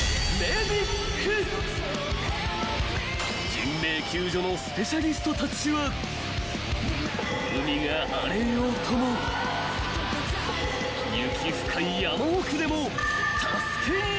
［人命救助のスペシャリストたちは海が荒れようとも雪深い山奥でも］